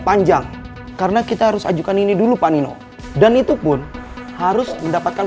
panjang karena kita harus ajukan ini dulu panino dan itupun harus mendapatkan